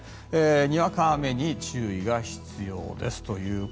にわか雨に注意が必要です。